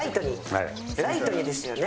ライトにですよね。